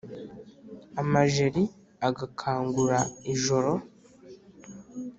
Amajeri agakangura ijoro.